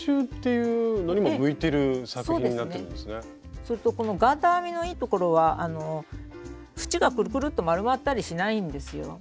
それとこのガーター編みのいいところは縁がくるくるっと丸まったりしないんですよ。